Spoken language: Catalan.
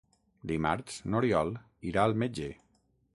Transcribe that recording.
Dimarts n'Oriol irà al metge.